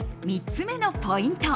３つ目のポイント。